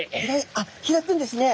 あっ開くんですね。